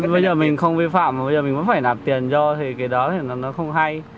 bây giờ mình không vi phạm mà bây giờ mình cũng phải nạp tiền cho thì cái đó thì nó không hay